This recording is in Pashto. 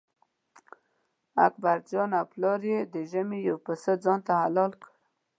اکبرجان او پلار یې د ژمي یو پسه ځانته حلال کړ.